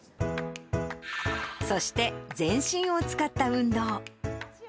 そして、全身を使った運動。